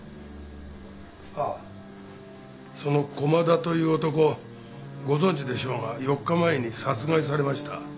ああその駒田という男ご存じでしょうが４日前に殺害されました。